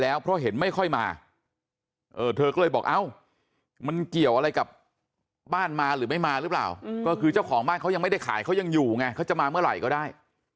แล้วเพราะเห็นไม่ค่อยมาเธอก็เลยบอกเอ้ามันเกี่ยวอะไรกับบ้านมาหรือไม่มาหรือเปล่าก็คือเจ้าของบ้านเขายังไม่ได้ขายเขายังอยู่ไงเขาจะมาเมื่อไหร่ก็ได้